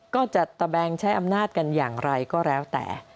ตะแบงใช้อำนาจกันอย่างไรก็แล้วแต่